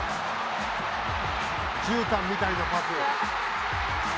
じゅうたんみたいなパス。